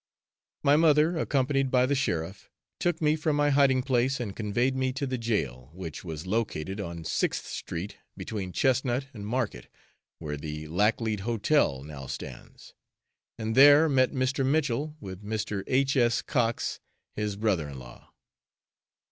My mother, accompanied by the sheriff, took me from my hiding place and conveyed me to the jail, which was located on Sixth Street, between Chestnut and Market, where the Laclede Hotel now stands, and there met Mr. Mitchell, with Mr. H. S. Cox, his brother in law.